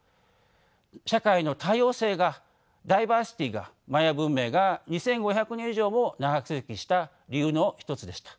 社会の多様性がダイバーシティーがマヤ文明が２，５００年以上も長続きした理由の一つでした。